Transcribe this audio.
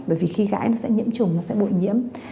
bởi vì khi gãi nó sẽ nhiễm trùng nó sẽ bội nhiễm